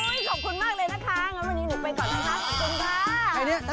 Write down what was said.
ขอบคุณมากเลยนะคะงั้นวันนี้หนูไปก่อนนะคะขอบคุณค่ะ